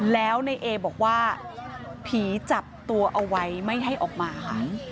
แล้วในเอบอกว่าผีจับตัวเอาไว้ไม่ให้ออกมาค่ะ